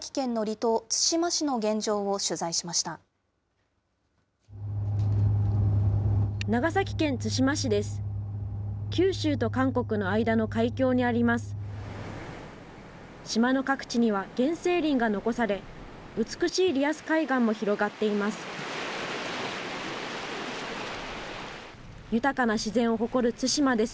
島の各地には原生林が残され、美しいリアス海岸も広がっています。